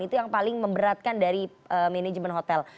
itu yang paling memberatkan dari manajemen hotel